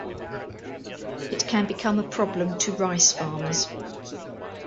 It can become a problem to rice farmers.